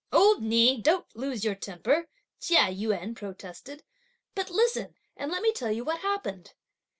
"Old Ni, don't lose your temper," Chia Yün protested, "but listen and let me tell you what happened!"